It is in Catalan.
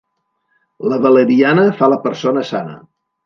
La valeriana fa la persona sana.